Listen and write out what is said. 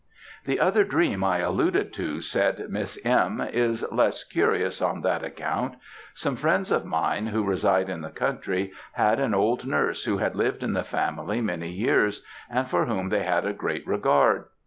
"The other dream I alluded to," said Miss M., "is less curious on that account. Some friends of mine, who reside in the country, had an old nurse who had lived in the family many years, and for whom they had a great regard.